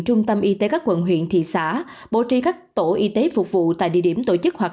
trung tâm y tế các quận huyện thị xã bổ trì các tổ y tế phục vụ tại địa điểm tổ chức hoạt